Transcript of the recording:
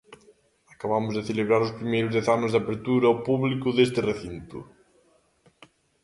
Acabamos de celebrar os primeiros dez anos da apertura ao público deste recinto.